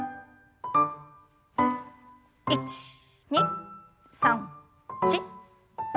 １２３４。